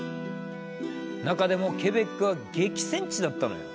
中でもケベックは激戦地だったのよ。